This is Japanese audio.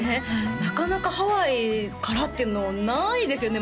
なかなかハワイからっていうのはないですよね